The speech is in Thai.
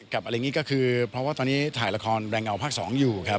อะไรอย่างนี้ก็คือเพราะว่าตอนนี้ถ่ายละครแรงเงาภาค๒อยู่ครับ